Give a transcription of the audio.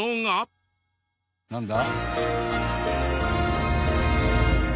なんだ？